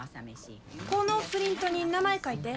このプリントに名前書いて。